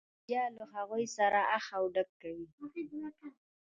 بیا له هغوی سره اخ و ډب کوي.